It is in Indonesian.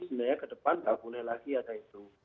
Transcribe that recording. sebenarnya kedepan tak boleh lagi ada itu